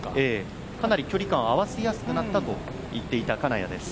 かなり距離感を合わせやすくなったと言っていた金谷です。